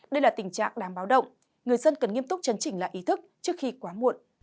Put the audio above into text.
đây là tình trạng đáng báo động người dân cần nghiêm túc chấn chỉnh lại ý thức trước khi quá muộn